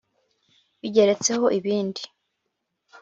bigeretseho ibindi :